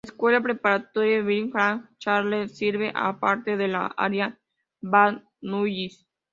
La Escuela Preparatoria Birmingham Charter sirve a partes de la área Van Nuys.